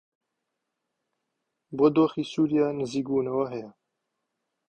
بۆ دۆخی سووریا نزیکبوونەوە هەیە